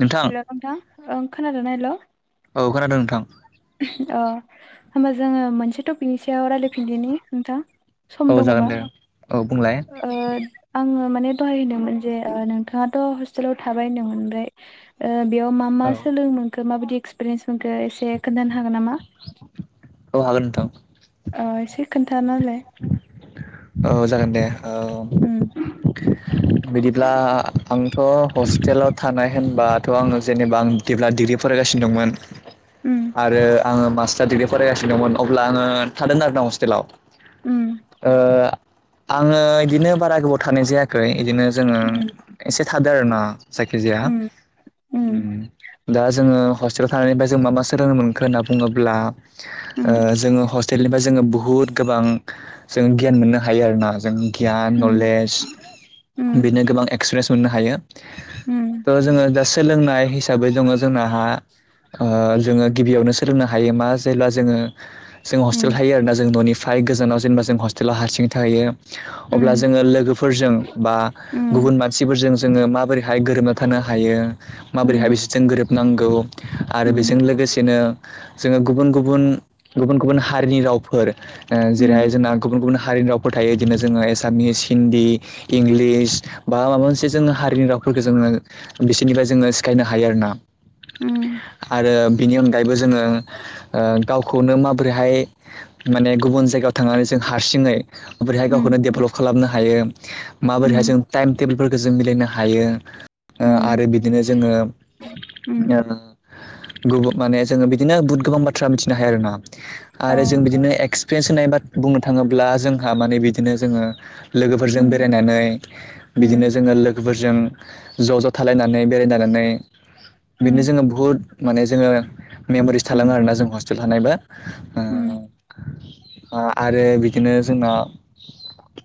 नोंथां हेल' नोंथां ओं खोनादों ना हेल'? औ खोनादों नोंथां। ओ होमबा जोङो मोनसे टपिकनि सायाव रायल [unintelligible] औ जागोन दे औ बुंलाय। ओ आंङो माने दहाय होनदोंमोन जे नोंथाङाथ' हस पितालाव थाबाय होनदोंमोन ओमफ्राय ओ बेयाव मा मा औ सोलोंनो मोनखो माबादि पिरिेन्सखौ एसे खोन्थानो हागोन नामा? औ हागोन नोंथां। ओ एसे खोन्थानाहोलाय। औ जागोन दे औ। उम। [inaudible] बिदिब्ला आंथ' हस्टेलाव थानाय होनबाथ' आङो जेनेबा आं जेब्ला डिग्रि फरायगासिनो दंमोन उम आरो आङो मास्टार दिडिग्रि फरायगासिनो दंमोन अब्ला आङो थादों आरोना हस्टेलाव। उम। ओ आङो इदिनो बारा गोबाव थानाय जाया आमफ्राय इदिनो जोङो उम एसे थादों आरोना जायखिजाया उम उम ओम दा जोङो हस्टेलाव थानायनिफ्राय जों मा मा सोलोंनो मोनखो होनना बुङोब्ला, ओ उम जोङो हस तेलनिफ्राय जोङो बुहुत गोबां जों गियान मोननो हायो आरोना जों गियान, उम नलेज उम बिनो गोबां एक्सपेरियेन्स मोननो हायो। उम थ' जोङो दा सोलोंनाय हिसाबै दङ जोंना आ ओ जोङो गिबियावनो सोलोंनो हायो मा जेब्ला जोङो जों हस्टेल उम थायोना जों न'निफ्राय गोजानाव जेनेबा जों हस्टेलाव हारसिं थाहैयो। उम अब्ला जोङो लोगोफोरजों बा गुबुन उम मानसिफोरजों जोङो माबोरै हाय गोरोबना थानो हायो उम माबोरैहाय उम बिसोरजों गोरोबनांगौ आरो उम बेजों लोगोसेनो जोङो गुबुन गुबुन गुबुन गुबुन हारिनि रावफोर ओ उम जेरैहाय जोंना गुबुन गुबुन हारि राव फोरथायो बिदिनो जोंना एसामिस, हिन्दी, इंगलिस बा माबामोनसे जों हा बेनि रावफोरखौ जोङो बिसोरनिफ्राय जोङो सिखायनो हायो आर ना। उम आरो बिनि अनगायैबो जोङो ओ गावखौनो माबोरैहाय माने गुबुन जायगायाव थांनानै जों हारसिङै माबोरैहाय उम गावखौनो डेभलप खालामनो हायो, माबोरैहाय जों टाइम टेबोलफोरखौ जों मिलायनो हायो ओ उम आरो बिदिनो जोङो उम ओ गुबु माने जोङो बिदिनो बुहुथ गोबां बाथ्रा मिथिनो हायो आरोना। अ आरो जों बिदिनो एक्सपिरियेन्स बा होननाय बुंनो थाङोब्ला जोंहा माने बिदिनो जोङो लोगोफोरजों उम बेरायनानै बिदिनो उम जोङो लो लोगोफोरजों ज' ज' थालायनानै बेरायलायनानै बिदिनो उम जोङो बुहुद माने जोङो मेम'रिस थालांङो आरोना जों हस्टेल थानायबो ओ ओम। बा आरो बिदिनो जोंना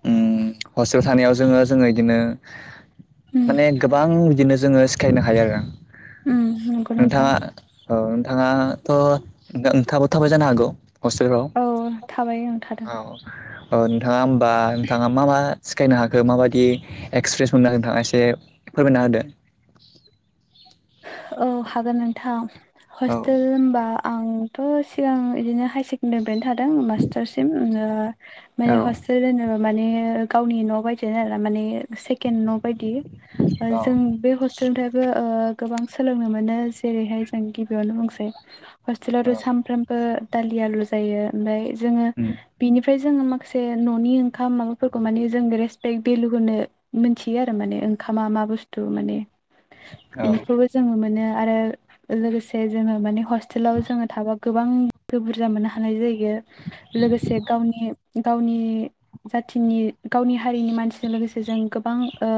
ओम हस्टेलाव थानायाव जोङो जोङो इदिनो उम माने गोबां बिदिनो जोङो सिखायनो हायो आरो। उम नंगौ नोंथां नोंथाङा औ नोंथाङाथ' नोंथां-नोंथाङाबो थाबाय जानो हागौ हस्टेलफ्राव? औ थाबाय ओं थादों औ। औ नोंथाङा होमबा नोंथाङा मा मा सिखायनो हाखो माबायदि एक्सपिरियेन्स मोननो हाखो, नोंथाङा एसे फोरमायना होदो। औ हागोन नोंथां औ हस्टेल होम्बा आंथ' सिगां इदिनो हायार सेकेण्डारिनिफ्रायनो थादों मास्टारसिम आङो माने औ हस्टेल होनोबा माने गावनि न' बायदियानो आरो माने सेकेण्ड न' बायदि। ओ औ जों बे हस्टेलनिफ्रायबो ओ गोबां सोलोंनो मोनो जेरैहाय जों गिबियावनो बुंसै औ हस्टेलावथ' सामफ्राम ओ दालि आलु जायो ओमफ्राय जोङो उम बिनिफ्राय जोङो माखासे न'नि ओंखाम माबाफोरखौ माने जों रेसपेक्ट बेेलु होनो मोनथियो आरो माने ओंखामा मा बुस्थु माने औ बेखौबो जोङो मोनो आरो लोगोसे जोङो माने हस्टेलाव जों थाबा गोबां बुरजा मोननो हानाय जायो। लोगोसे गावनि गावनि जाथिनि गावनि हारिनि मानसिजों लोगोसे जों गोबां ओ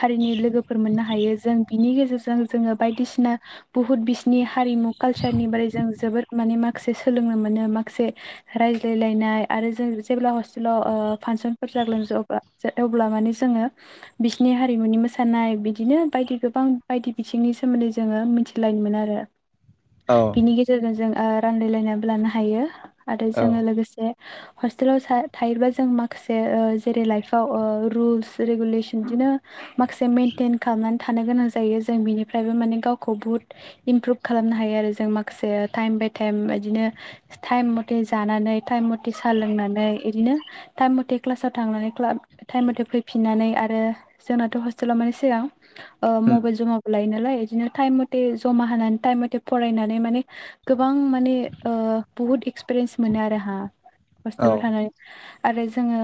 हारिनि लोगोफोर मोननो हायो। जों नि गेजेरजों जोङो बायदिसिना बुहुत बिसोरनि हारिमु कालचारनि बागै जों जोबोर माने मा माखासे सोलोंनो मोनो माखासे रायज्लायलायनाय आरो जों जेब्ला हस्टेलाव ओ फांसनफोर जाग्लां [unintelligible] अब्ला माने जोङो बिसिनि हारिमुनि मोसानाय बिदिनो बायदि गो बां बायदि बिथिंनि सोमोन्दै जोङो मिथिलायोमोन आरो औ बिनि गे जेरजों जों ओ रानलायलायनानैबो लानो हायो आरो औ जोङो लोगोसे हस्टेलाव थायोबा जों माखासे ओ जेरै लाइफआव ओ रुल्स रेगुलेसन बिदिनो माखासे मेइटइेन खालामनानै थानो गोनां जायो जों बिनिफ्रायबो माने गावखौ बुहुत इमप्रुभ खालामनो हायो आरो जों माखासे टाइम बाय टाइम बिदिनो टाइम मथे जानानै टाइम मथे साहा लोंनानै बिदिनो थटाइम मथे क्लासाव थांनानै टाइम मथे फैफिननानै आरो जोंनाथ' हस्टेलाव माने सिगां ओ उम बो जमाबो लायो नालाय बिदिनो टाइम मथे जमा होनानै टाइम मथे फरायनानै माने गोबां माने ओ बुहुद एक्सपिरियेन्स मोनो आरो आंहा औ हस्टेलाव थानानै आरो जोङो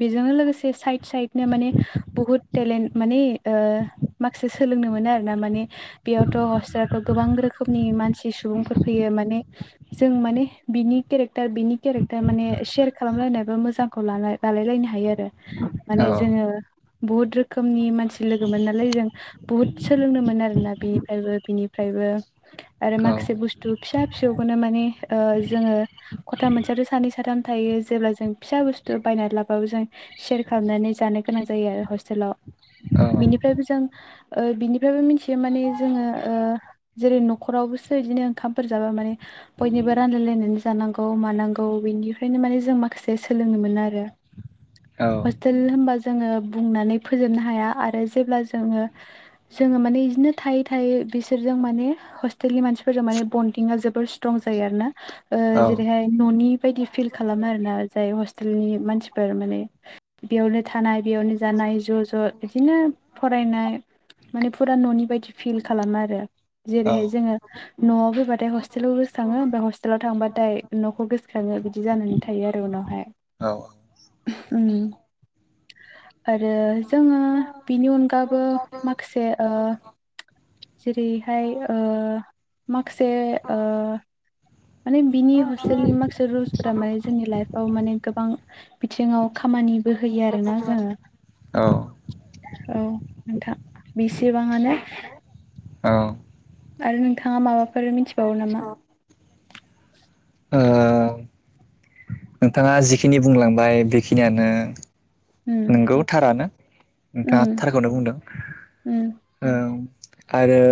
बेजों लोगोसे साइद साइदनो माने बहुत टेलेन्ट माने ओ माखासे सोलोंनो मोनो आरो ना माने बेयावथ' हस्टेलावथ' गोबां रोखोमनि मानसि सुबुंफोर फैयो माने जों माने बिनि केरेक्टार बिनि केरेक्टार माने सेयार खालामलायनायबा मोजां खौ लानाय लालायलायनोनो हायो आरो मान औ जोङो बुहुत रोखोमनि मानसि लोगो मोनो नालाय जों बुहुद सोलोंनोमोन आरोना बिनिफ्रायबो बिनिफ्रायबो आरो औ माखासे बुस्थु फिसा फिसौखौनो माने ओ जोङो खथा मोनसेयाथ' सानै साथाम थायो जेब्ला जों फिसा बुस्थु बायनानै लाब्लाबो जों शयार खालामनानै जानो गोनां जायो आरो हस्टेलाव बिनिफ्रायबो जों ओ बिनिफ्रायबो मिथियो माने जोङो ओ जेरै न'खरावबोसो बिदिनो ओंखामफोर जाबा माने बयनिबो रानलायलायनानै जानांगौ मानांगौ बेनिफ्रायनो माने जों माखासे सोलोंनो मोनो आरो औ टेल होनबा जोङो बुंनानै फोजोबनो हाया आरो जेब्ला जोङो जोङो माने बिदिनो थायै थायै बिसोरजों माने हस्टेल नि मानसिफोरजों माने बन्डिंआ जबोर स्ट्रं जायो आरो ना ओ औ जेरैहाय न'नि बायदि फिल खालामो आरो ना जाय हस्टेलनि मानसिफोर माने बेयावनो थानाय बेयावनो जानाय ज' ज' बिदिनो फरायनाय माने फुरा न'नि बायदि फिल खालामो आरो औ जेरैहाय जोङो न'आव फैबाथाय हस्टेलाव गोसोखाङो मा हस्टेलाव थांबाथाय न'खौ गोसोखाङो बिदि जानानै थायो आरो उनावहाय। औ ओम आरो जोङो बिनि अनगाबो माखासे ओ जेरैहाय ओ माखासे ओ माने बिनि हस्टेलनि माखासे रुल्सफोरा माने जोंनि लाइफआव माने गोबां बिथिङाव खामानिबो होयो आरोना जोङो औ औ नोंथां बेसेबांआनो। ओ आरो नोंथाङा माबाफोर मिथिबावो नामा। नोंथाङा जिखिनि बुंलांबाय बेखिनियानो। उम नंगौथारानो नोंथाङा उम सारखौनो बुंदों उम आरो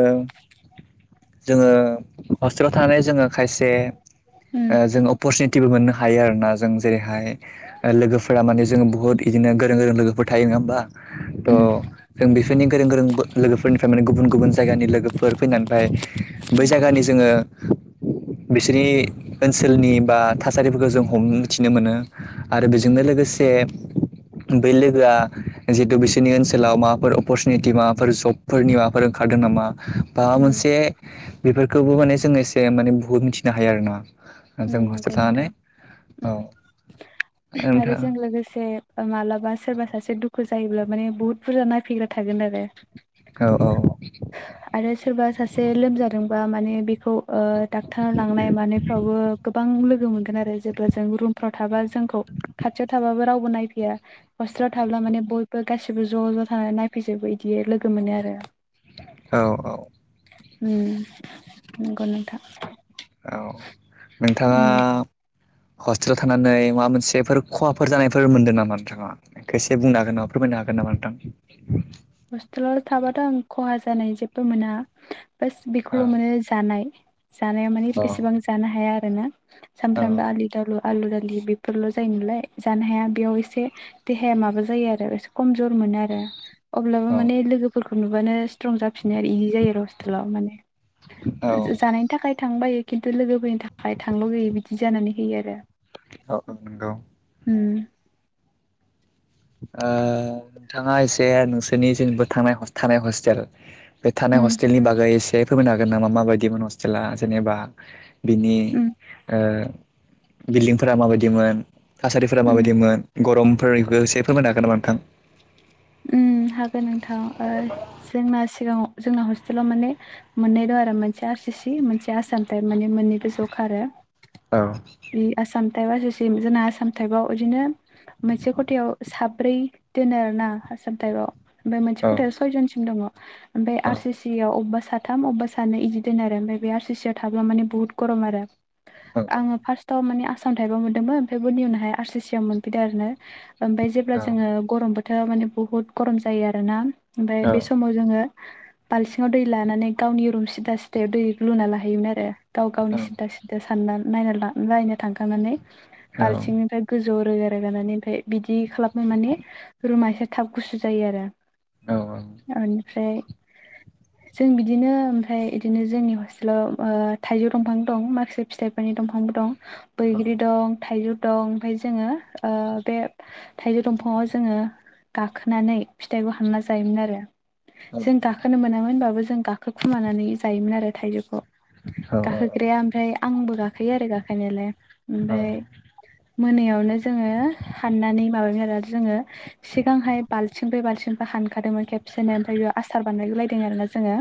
जोङो हस्टेलाव थानानै जोङो माखायसे उम ओ जों अपरसुनिटिबो मोननो हायो आरोना जों जेरैहाय लोगोफोरा माने जोङो बुहुत बिदिनो गोरों गोरों लोगोफोर थायो नङा होमबा थह उम जों बेफोरनि गोरों गोरों लोगोफोरनिफ्राय माने गुबुन गुबुन जायगानि लोगोफोर फैनानै बाय बै जायगानि जोङो बिसोरनि ओनसोलनि बा थासारिफोरखौ जों हमनो थथिनो मोनो। आरो बेजोंनो उम लोगोसे बै लोगोआ जिहेतु बिसोरनि ओनसोलाव माबाफोर अपरसुनिटि माबाफोर जब फोरनि माफोर ओंखारदों नामा। माबा उम मोनसे बेफोरखौबो माने जोंङ एसे माने बुहुत मिथिनो हायो आरो ना नंगौ नोंथां औ आरो जों लोगोसे मा्लाबा सोरबा सासे दुखु जायोब्ला माने बुहुत बुरजा नायफैग्रा थागोन आरो। औ औ। आरो सोरबा सासे लोमजादोंबा माने बे बे डाक्टर लांनाय मानायफ्रावबो गोबां लोगो मोनगोन आरो जेब्ला जों रूमफोराव थाबा जों खाथियाव थाबाबो रावबो नायफैया। हस्टेलाव थाब्ला माने बयबो गासिबो ज' ज' थानानै नायफैजोबो बिदि लोगो मोनो आरो। औ औ। गनोथा औ नोंथाङा हस्टेलाव थानानै माबा मोनसेफोर खहाफोर जानायफोर मोनदों नामा नोंथाङा खसे बुंनो हागोन नामा फोरमायनो हागोन नामा नोंथां हस्टेलाव थाबाथ' आं खहा जानाय जेबो मोना बास औ बेखौल' मोनो जानाय जानाया माने औ बेसेबां जानो हाया आरोना सामफ्रामबो आलि दालु आलु दालि बेफोरल' जायो नालाय जानो हाया बेयाव एसे देहाया माबा जायो आरो एसे खमजर मोनो आरो अब्लाबो औ माने लोगोफोरखौ नुबानो स्ट्रं जाफिनो आरो इजि जायो आरो हस्टेलाव माने औ जानाय नि थाखाय थांबायो खिन्थु लोगोफोरनि थाखाय थां लुबैयो बिदि जानानै होयो आरो औ नोंगौ उम। नोंथाङा एसे नोंसोरनि जेनेबोा थांनाय थानाय हस्टेल बे थानाय उम हस्टेलनि बागै एसे फमोनो हागोन नामा माबायदिमोन हस्टेला जेनेबा बिनि उम बिल्डिंफोरा माबायदिमोन थासारिफोरा उम माबायदिमोन गरमफोरखौ एसे फोरमायनो हागोन नामा नोंथां। हागोन नोंथां जोंना सिगाङाव जोंना हस्टेलाव माने मोननै दं आरो मोनसे आर सि सि मोनसे आसाम टाइप माने मोननैबो ज खारो औ बे आसाम टाइपआ सिम जोंना आसाम टाइपआव बिदिनो मोनसे खथायाव साब्रै दोनो आर ना आसाम टाइपाव ओमफ्राय मोनसे औ खथायाव सयजनसिम दङ ओमफ्राय औ आर सि सि आवबेबा सा साथाम अबेबा सानो इदि दोन आरो ओमफ्राय बे आर सि सि आव थाब्ला माने बुहुत गरम आरो औ आङो फार्स्ट थ माने आसाम थाइबा मोन्दोंमोन ओमफ्राय बनि उनावहाय आर सि सि आव मोनफैदों आरो ओमफफ्राय जेब्ला जोङो गरम बोथोर माने बहुत गरम जायो आरोोना ओमफ्राय बे समाव जो ब सिाव दै लानानै गावनि रुम सिदा सिदायाव दै लुना लाहयोमोन आरो गाव गावनि सिदा सिदा नो थांखांनानै बाल्थिंफ्राय गोजौआव रोगा रोगानानै ओमफ्राय बिदि खालामनाय माने रुमा एसे थाब गुसु जायो आरो औ औ [unintelligible] [inaudible] जों बिदिनो ओमफ्राय बिदिनो जोंनि हस्टेलाव ओ थाइजौ दंफां दं। माखासे फिथाइफोरनि दंफांबो दं। बैग्रि दं थाइजौ दं ओमफफ्राय जोंङो बे थाइजौ दंफाङाव जोंङो गाखोनानै फिथाइखौ हानना जायोमोन आरो जों गाखोनो मोनामोनबाबो जों गाखो गोखुमानानै जायोमोन आरो थाइजौखौ गाखोग्राया ओमफ्राय आंबो गाखो गाखोयो आरो गाखोननायालाय औ ओमफ्राय मोनायावनो जोंङो हाननानै माबा आरो जोंङो से- गोहाय बालथिंब्रै बालथिंबा हानखादोंमोन खेबसेनो ओमफ्राय बे आसार बानायगुलायदों आरोना जोंङो।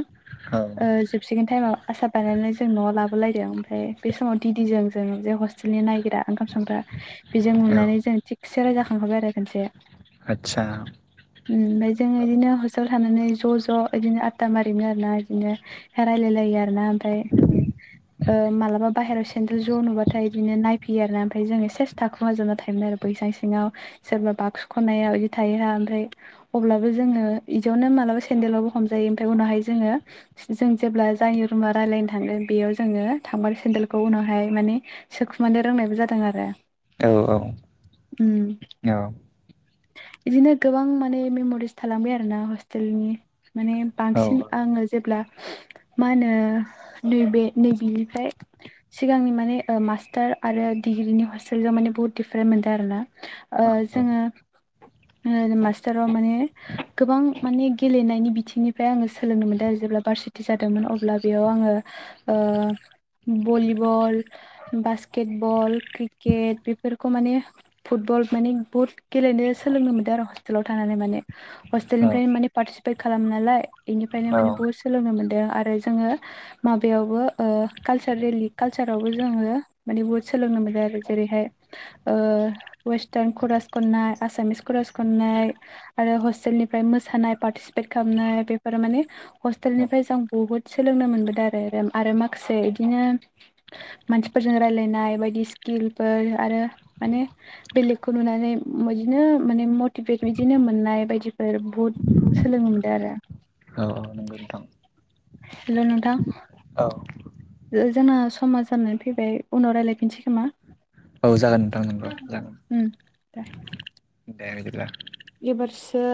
ओ जो- [unintelligible] टाइमाव आसार बानायनानै जों न'आव लाबोलायदों ओमफ्राय बे समाव दिदिजों जों जे हस्टे- ओसोलनि नायग्रा ओंखाम संग्रा बेजों औ नुनानै जों थिगसे रायजाखांखाबाय आरो खनसे। आथसा उम ओमफ्राय जों बिदिनो हस्टेलाव थानानै ज' ज' बिदिनो आबदा मारियोमोन आरोना बिदिनो रायलायलायो आरोना ओमफ्राय। ओ मालाबा बाहेराव सेन्देल ज' नुबाथाय बिदिनो नायफैयो आरो ओमफ्राय जोंङो सेस- थाखुमाजोबना थायोमोन आरो बैसां सिङाव सोरबा बाग्सु खनायाव [unintelligible] थायोहा ओमफ्राय अब्लाबो जोंङो इदियावनो मालाबा सेन्देलावबो हमजायो ओमफ्राय उनावहाय जोंङो जों जेब्ला जायनि रुमा राय्लायनो थांदों बेयाव जोङो थांबाथाय सेन्देलखौ उनावहाय माने सोखुमानो रोंनायबो जादों आरो। औ औ उम औ बिदिनो गोबां माने मेम'रिस थालांबाय आरो ना हस्टेलनि। माने बांसिन औ आंङो जेब्ला मा होनो नैबे नै बेनिफ्राय सिगांनि माने मास्टार आरो डिग्रिनि हस्टेलाव माने बुहुत दिफारेन्ट मोनदों आरो ना। ओ औ जोंङो ओ मास्टार माने गोबां माने गेलेनायनि बिथिंनिफ्राय आङो सोलोंनो मोनदों आरो जेब्ला भारसिटि जादोंमोन अब्ला बेयाव आङो ओ भलिबल बास्केट बल, क्रिकेट बेफोरखौ माने फुटबल माने बुहुत गेलेनो सोलोंनो मोन्दों आरो हस्टेलाव थानानै माने। औ हस्टेलनिफ्रायनो माने पार्टिसिपेट खालामो नालाय बेनिफ्रायनो औ माने बुहुत सोलोंनो मोन्दों आरो जोंङो माबायावबो ओ कालसार रेलि कालसारावबो जोङो माने बुहुद सोलोंनो मोनो आरो जेरैहाय ओ वेस्टार्न करास खन्नाय आसामिस करास खन्नाय आरो हस्टेलनिफ्राय मोसानाय पार्टिसिपेट खालामनाय बेफोरो माने हस्टेलनिफ्राय जों बुहुत सोलोंनो मोनबोदों आरो आरो माखासे बिदिनो मानसिफोरजों रायलायनाय बायदि स्किलफोर आरो माने बेलेगखौ नुनानै बिदिनो माने मटिभेट बिदिनो मोननाय बायदिफोर बुहुद सोलोंनो मोनदों आरो औ औ नोंगौ नोंथां। हेल' नोंथां। औ जोंना समा जानानै फैबाय उनाव रायलायफिनसै खोमा। औ जागोन नोंथां नंगौ जागोन उम दे। दे बिदिब्ला एबारसो